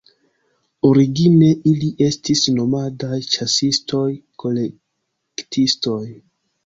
Origine, ili estis nomadaj, ĉasistoj-kolektistoj.